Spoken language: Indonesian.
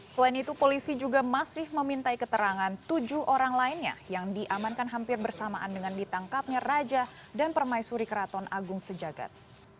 selain itu polisi juga masih memintai keterangan tujuh orang lainnya yang diamankan hampir bersamaan dengan ditangkapnya raja dan permaisuri keraton agung sejagat